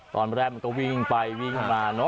ตอนแรกมันก็วิ่งไปวิ่งออกมา